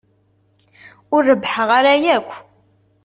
Ur rebbḥeɣ ara yakk.